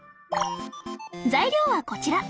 材料はこちら。